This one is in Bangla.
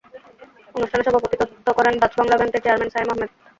অনুষ্ঠানে সভাপতিত্ব করেন ডাচ্ বাংলা ব্যাংকের চেয়ারম্যান সায়েম আহমেদ।